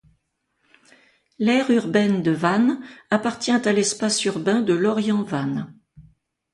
L’aire urbaine de Vannes appartient à l’espace urbain de Lorient-Vannes.